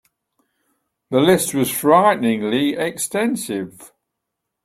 The list was frighteningly extensive.